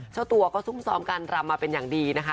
เจ้าตัวก็ซุ่มซ้อมการรำมาเป็นอย่างดีนะคะ